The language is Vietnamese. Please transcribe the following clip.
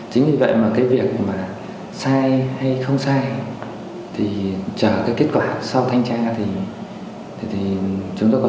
chính vì vậy mà cái việc mà sai hay không sai thì chờ cái kết quả sau thanh tra thì chúng tôi có thông báo sẽ thông tin cho các anh